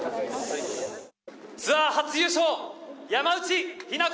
ツアー初優勝山内日菜子